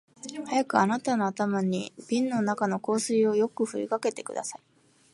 早くあなたの頭に瓶の中の香水をよく振りかけてください